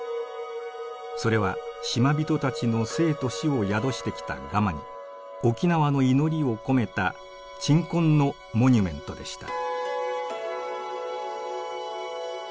それは島人たちの生と死を宿してきたガマに沖縄の祈りを込めた鎮魂のモニュメントでした。